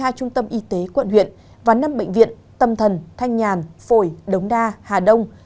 hai trung tâm y tế quận huyện và năm bệnh viện tâm thần thanh nhàn phổi đống đa hà đông